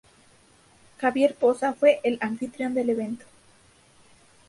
Javier Poza fue el anfitrión del evento.